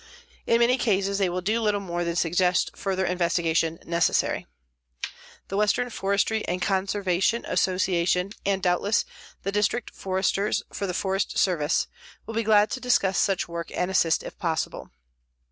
In many cases they will do little more than suggest further investigation necessary. The Western Forestry & Conservation Association and, doubtless, the District Foresters for the Forest Service, will be glad to discuss such work and assist if possible.